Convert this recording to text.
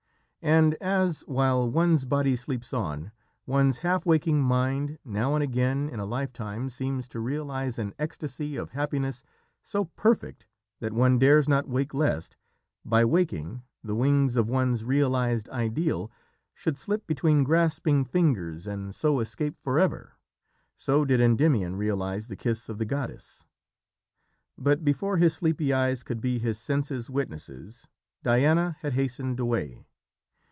And as, while one's body sleeps on, one's half waking mind, now and again in a lifetime seems to realise an ecstasy of happiness so perfect that one dares not wake lest, by waking, the wings of one's realised ideal should slip between grasping fingers and so escape forever, so did Endymion realise the kiss of the goddess. But before his sleepy eyes could be his senses' witnesses, Diana had hastened away.